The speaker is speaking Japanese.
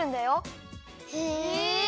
へえ！